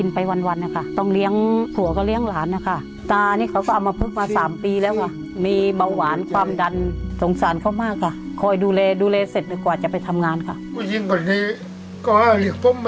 ผู้หญิงกว่านี้ก็อาจจะเรียกผมมาทั้งรอบ